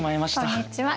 こんにちは。